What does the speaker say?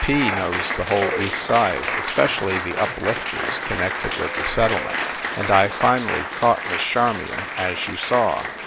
P. knows the whole East Side, especially the uplifters connected with the settle ment, and I finally caught Miss Charmion, as you saw.